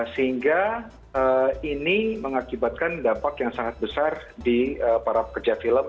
sehingga ini mengakibatkan dampak yang sangat besar di para pekerja film